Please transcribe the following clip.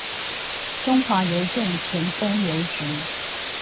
中華郵政前峰郵局